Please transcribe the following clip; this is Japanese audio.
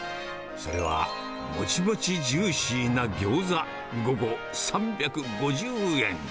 それは、もちもちジューシーなギョーザ５個３５０円。